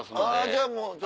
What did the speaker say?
じゃあもう。